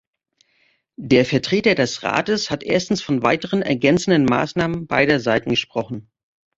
Der Vertreter des Rates hat erstens von weiteren, ergänzenden Maßnahmen beider Seiten gesprochen.